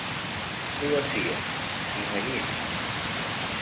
Poesia, imagina't!